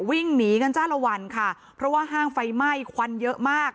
วิ่งหนีกันจ้าละวันค่ะเพราะว่าห้างไฟไหม้ควันเยอะมาก